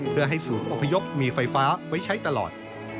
เพื่อให้ศูนย์อพยพมีไฟฟ้าไว้ใช้ตลอด